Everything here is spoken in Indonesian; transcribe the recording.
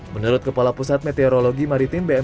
menurut kepala pusat meteorologi maritim bmk